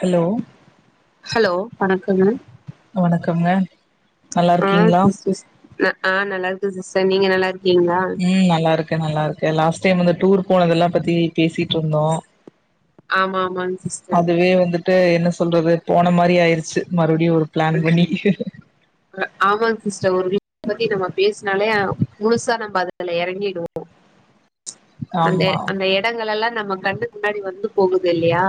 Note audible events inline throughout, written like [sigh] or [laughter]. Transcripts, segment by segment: hello hello வணக்கங்க வணக்கங்க ஆ சிஸ் ஆ நல்லா இருக்க சிஸ்டர் நீங்க நல்லா இரு ம் நல்லா இருக்க நல்லா இருக்க லாஸ்ட் டைம் வந்து டூர் போனதெல்லா பத்தி பேசிட்டு இருந்தோ ஆமா ஆமாங்க சிஸ்டர் அதுவே வந்துட்டு என்ன சொல்றது போன மாரி ஆயிருச்சு மறுபடியு ஊருக் ப்ளான் பண்ணி ஆமா சிஸ்டர் ஒரு வி பத்தி நம்ம பேசினாலே முழுசா நம்ப அத அதுல எறங்கிடுவோ அந்த ஆமா அந்த எடங்கள் எல்லா நம்ம கண்ணுக்கு முன்னாடி வந்து போகுது இல்லயா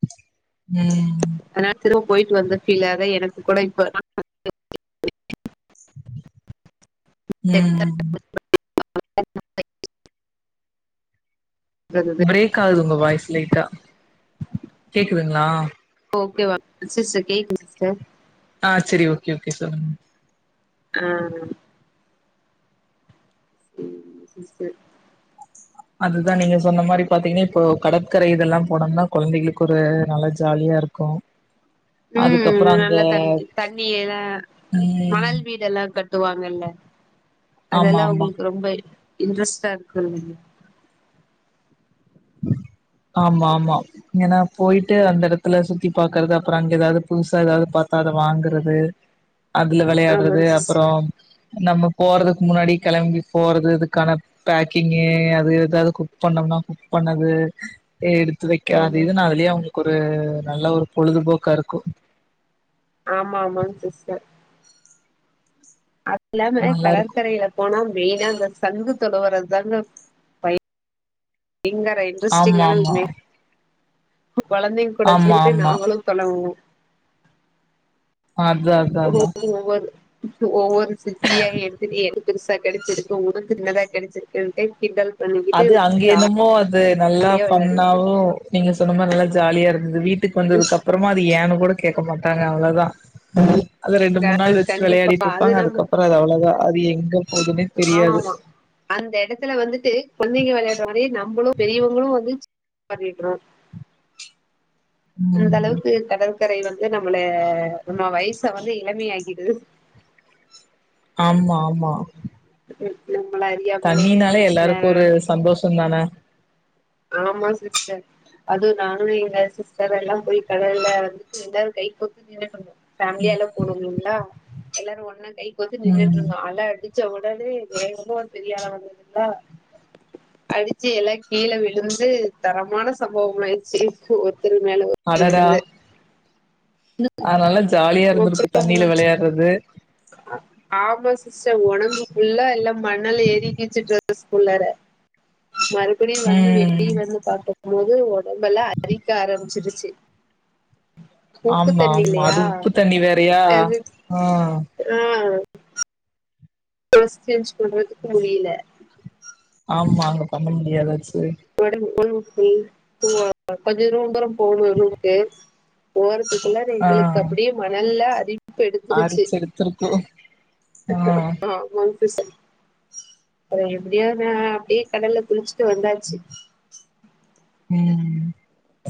ம் அதனால திரும்ப போயிட்டு வந்த ஃபீல் அதா எனக்கு கூட இப்பதா ம் ம் [inaudible] இருந்தது பிரேக் ஆகுது உங்க வாய்ஸ் லைட்டா கேக்குதுங்ளா ஓகே வா சிஸ்டர் கேக்குது சிஸ்டர் ஆ செரி ஓகே ஓகே சொல்லுங்க ஆ ஆ ம் சிஸ்டர் அதுதா நீங்க சொன்ன மாரி பாத்தீங்க இப்போ கடற்கரை இதெல்லா போனோம்னா கொழந்தைகளுக்கு ஒரு நல்ல ஜாலியா இருக்கு ம் அதுக்கப்புறோ அங்க நல்ல தண்ணி தண்ணி எல்லா ம் மணல் வீடெல்லா கட்டுவாங்கல்ல ஆமா அதெல்லா ஆமா உங்களுக்கு ரொம்ப இன்ட்ரெஸ்ட்டா இருக்கு இல்லையா ஆமா ஆமா ஏனா போயிட்டு அந்த எடத்துல சுத்தி பாக்குறது அப்றோ அங்க எதாது புதுசா எதாது பாத்தா அத வாங்குறது அதுல ஆமாங் வெளையாட்றது சிஸ் அப்றோ நம்ம போறதுக்கு முன்னாடி கெளம்பி போறது இதுக்கான பேக்கிங்கே அது எதாது குக் பண்ணோம்னா குக் பண்ணது எடுத்து வெக்க அது ஆமா இதுனு அதுலேயே அவுங்க ஒரு நல்ல ஒரு பொழுதுபோக்கா இருக்கு ஆமா ஆமாங்க சிஸ்டர் எல்லாம நல்லா இருக்கு கடற்கரையில போனா மெயினா அந்த சங்கு தொளாவரது தாங்க பை பயங்கர ஆமா இன்ட்ரெஸ்ட்டிங்கான ஆமா கேம்மே கொழந்தைங் கூட ஆமா சேந்துட்டு ஆமா நாங்களு தொளாவுவோ அதா அதா அதா ஓவ்வொர் ஒவ்வொரு சிப்பியா எடுத்துட்டே இரு பெருசா கெடச்சுருக்கு உனக்கு சின்னதா கெடச்சிருக்குன்ட்டு கிண்டல் பண்ணிக்கிட்டு அது அங்க என்னமோ அது நல்லா ஜாலியா வெளாடிட்ருப்போ பண்ணாவோ நீங்க சொன்னமாரி நல்லா ஜாலியா இருந்தது வீட்டுக்கு வந்ததுக்கு அப்றோ சும்மா அது ஏன்னு கூட கேட்க மாட்டாங்க அவ்ளோதா அத ரெண்டு மூணு ஆ நாள் வச்சுட்டு கண்டிப்பா விளையாடிட்டு அது ருப்பாங்க நம்ம அதுக்கப்றோ அது அவ்ளோதா அது எங்க போதுன்னே தெரியாது ஆமாமா அந்த எடத்துல வந்துட்டு கொழந்தைங்க வெளையாடுற மாரி நம்மளும் பெரியவங்களும் வந்து பண்ணிடுறோ அந்த ம் அளவுக்கு கடற்கரை வந்து நம்மள நம்ம வயச வந்து இளமயாகிடுது ஆமா ஆமா உ உம் நம்மள அறியாமலே இருந்ச்ல சந்தோஷோதான ஆமா சிஸ்டர் அதுவு நானு எங்க சிஸ்டர் எல்லா போய் கடல்ல வந்துட்டு எல்லாரு கை கோர்த்து நின்னுட்டுருந்தோ ஃபேமிலியா எல்லா போனோம்மில எல்லாரு ஒண்ணா கைகோத்து ம் நின்னுட்டுருந்தோ அல அடிச் ச்ச உடனே வேகமா ஒரு பெரிய அல வந்ததுங்களா அடிச்சு எல்லா கீழ விழு ழுந்து தரமான சம்பவோமாயிருச்சு ஒருத்தர் மேல ஒ ருத்தர் விழுந்து அ நல்லா ஜாலியா இருந்திருக்கு தண்ணில வெளையாடுறது ஆமா சி ஸ்டர் ஒடம்பு ஃபுல்லா எல்லா மணல் ஏறிக்கிச்சு ட்ரெஸ் உள்ளாற மறுபடியு வந்து ம் வெளிய வந்து பாத்த போது ஒடம்பெல்லா அரிக்க ஆரம்பிச்சிருச்சு உப்பு ஆமா தண்ணி ஆமா இல்லையா அது உப்பு தண்ணி வேறயா அது ஆ ஆ டிரெஸ் சேஞ்ச் பண்றதுக்கு முடில ஆமா அங்க பண்ண முடியாதாச்சு ஒடம் ஒடம்பு ஃபுல்லா ஓ கொஞ்ச தூரோ போகணு ரூம்க்கு போறத்துக்குள்ளார எங்களுக்கு அப்டியே மணல்ல அரி அரிச்செருத்தெருக்கு ஆமாங்க சிஸ்டர் அப்றோ எப்டியோ நா அப்டி கடல்ல குளிச்சுட்டு வந்தாச்சு உம்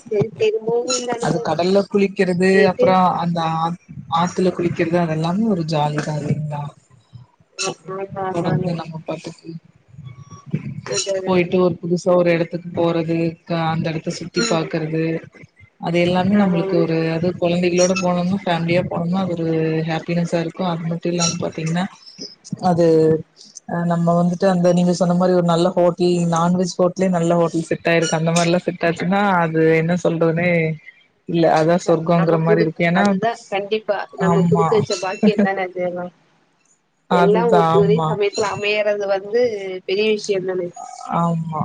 செரி திரும்பவு இந்த அது அனுபவம் கடல்ல குளிக்கிறது சொல்லிட்டு அப்றோ அந்த ஆத் ஆத்துல குளிக்கிறது அதெல்லாமே ஒரு ஜாலிதா இல்லீங்களா ஆமா தொடர்ந்து ஆமாங்க நம்ம பாட்டுக்கு போயிட்டு ஒரு புதுஸ் தோ ஒரு எடத்துக்கு போறது, க அந்த எடத்த சுத்தி ம் பாக்கறது அது எல்லாமே நம்ளுக்கு ஆமாங்க ஒரு அது கொழந்தைங்ளோட போனோம்னா ஃபேமிலியா போனம்னா ஒரு ஹாப்பினஸ்ஸா இருக் கா அது மட்டு இல்லாம்ம பாத்தீங்னா அது நம்ப வந்துட்டு அந்த நீங்க சொன்னா மாதிரி ஒரு நல்ல ஹோட்டல் நான்வெஜ் ஹோட் ட்டே நல்ல ஹோட்டல் செட் ஆயிருக்கு அந்த மாரில்லா செட் ஆச்சுன்னா அது என்ன சொல்றதுன்னே நம்ம குடு அதுதா கண்டிப்பா நம்ம ஆமா குடுத்து வச்ச பாக்கியந்தான அதுல்லா எல்லா அதுதா ஒர் ஒரே ஆமா சமயத்துல அமையறது வந்து பெரிய விஷ்யோதான ஆமா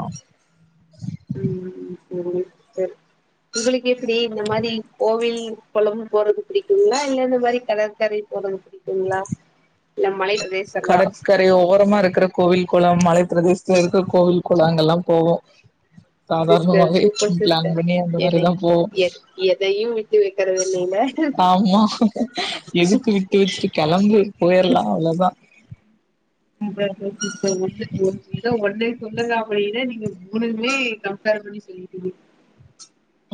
உம் சேரிங்க சேரி உங்களுக்கு எப்டி இந்த மாரி கோவில் கொளோம் போறது புடிக்குங்களா இல்ல இந்த மாரி கடற்கரை ஓ கொஞ்சோ புடிக்குங்களா இல்ல மலைகள் கடற்கர் அப்பிடியே ஓரமா இருக்குற கோவில் கொளம் மலை பிரதேசத்துல இருக்க கோவில் கொளொங்க எல்லா போவோ சிஸ்டர் சாதாரணமாவே சூப்பர் ம் பிளான் சிஸ்டர் பண்ணி அந்த எதை மாரிதா போவோ எ எதையு விட்டு வைக்கிறது இல்லைல ஆமா எதுக்கு விட்டு வச்சுகிட்டு கெளம்பு போயிருலா அவ்வளோதா உம் வேற ஒ வேறறென்ன இத ஒன்னே சொல்லுங்க அப்டினு நீங்க மூணுமே கம்பேர் பண்ணி சொல்லிடீங்க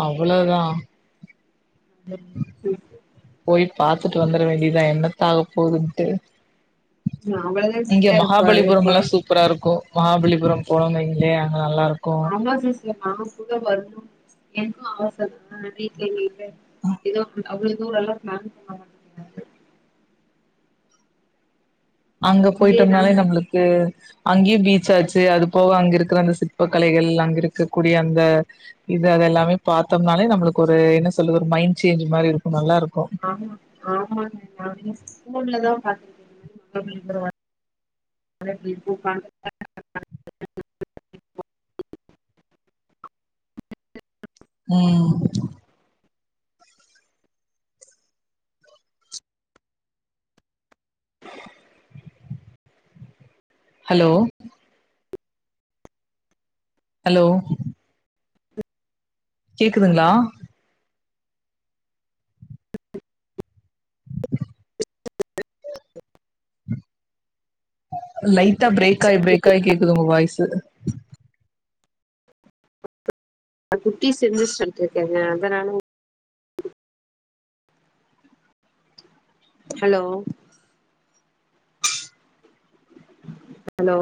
அவ்வளோதா [unintelligible] போயி பாத்துட்டு வந்துர வேண்டியதா என்னத்தா ஆக போகுதுண்ட்டு அவ்ளோதா இங்க சிஸ்டர் இப்ப இப்ப மஹாபல்லிபுரம்லா சூப் சூப்பரா இருக்கு மஹாபல்லிபுரம் போனிங் இல்லையா அங்க நல்லாருக்கு ஆமா சிஸ்டர் நாகூட வர்ணு எனக்கு ஆசதா ஆனா வீட்ல கேக்கனு சிஸ்டர் இதோ அவ்வுளோ தூரோ எல்லா பிளான் பண்ண மாட்டாங்க அங்க இதுவே போயிட்டோம்னாலே நானு நம்முளுக்கு அங்கியு பீச்சாச்சு அது போக அங்க இருக்கிற அந்த சிற்ப கலைகள் அங்க இருக்கக் கூடிய அந்த இந்த இது எல்லாமே பார்த்தோம்னாலே நம்மளுக்கு ஒரு என்ன சொல்றது மைண்டு சேஞ்சு மாரி இருக்கு நல்லா இருக்கு ஆமா ஆமாங்க நானே போன்லதா பாத்துருக்க [unintelligible] மாரி மஹாபல்லிபுரொ எல்லா [unintelligible] [unintelligible] உம் ஹலோ ஹலோ கேக்குதுங்களா லைட்டா பிரேக் ஆய் பிரேக் ஆய் கேக்குது உங்க வாய்சு குட்டீஸ் [unintelligible] அதனால ஹலோ ஹலோ